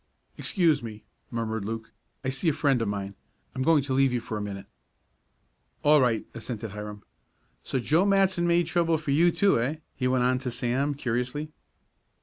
"Excuse me," murmured Luke. "I see a friend of mine. I'm going to leave you for a minute." "All right," assented Hiram. "So Joe Matson made trouble for you, too, eh?" he went on to Sam, curiously.